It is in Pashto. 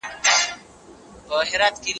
د ابدالیانو جګړې د خپلواکۍ د ترلاسه کولو لپاره وې.